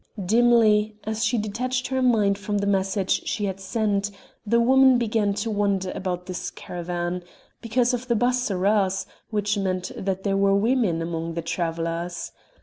Dimly, as she detached her mind from the message she had sent, the woman began to wonder about this caravan, because of the bassourahs, which meant that there were women among the travellers.